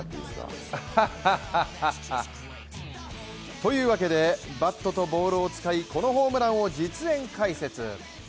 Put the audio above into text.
というわけでバットとボールを使い、このホームランを実演解説。